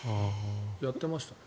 やってましたね。